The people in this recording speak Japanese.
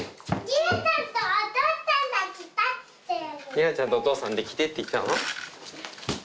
「梨穂ちゃんとお父さんで来て」って言ったの？